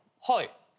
はい。